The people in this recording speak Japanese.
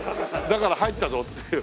だから入ったぞっていう。